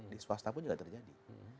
di swasta pun juga terjadi